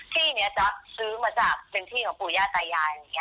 ที่นี้จะซื้อมาจากเป็นที่ของปู่ย่าตายายอย่างนี้